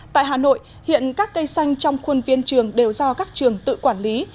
tại hà nội hiện các cây xanh trong khuôn viên trường đều do các trường tự quản lý